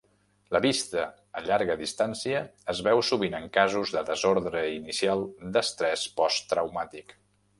La vista a llarga distància es veu sovint en casos de desordre inicial d'estrès post-traumàtic.